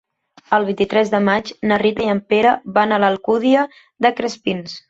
El vint-i-tres de maig na Rita i en Pere van a l'Alcúdia de Crespins.